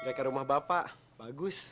jeleknya rumah bapak bagus